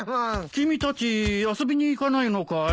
君たち遊びに行かないのかい？